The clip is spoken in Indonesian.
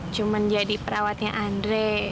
cuma jadi perawatnya andre